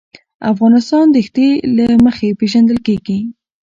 افغانستان د ښتې له مخې پېژندل کېږي.